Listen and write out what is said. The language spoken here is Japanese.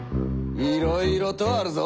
いろいろとあるぞ。